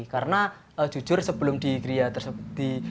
karena jujur sebelum di gria tersebut